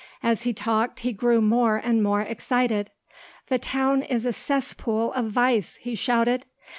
As he talked he grew more and more excited. "The town is a cesspool of vice!" he shouted.